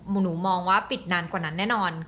หนูมองว่าปิดนานกว่านั้นแน่นอน